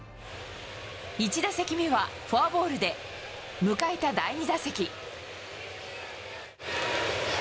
１打席目はフォアボールで、迎えた第２打席。